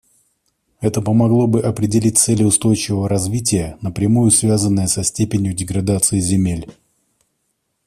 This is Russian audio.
Это помогло бы определить цели устойчивого развития, напрямую связанные со степенью деградации земель.